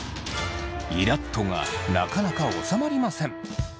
「イラっと」がなかなか収まりません。